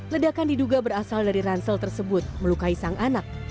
ledakan diduga berasal dari ransel tersebut melukai sang anak